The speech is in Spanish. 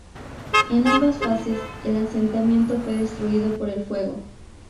En ambas fases el asentamiento fue destruido por el fuego.